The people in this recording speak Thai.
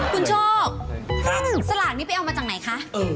คุณโชคสลากนี้ไปเอามาจากไหนคะ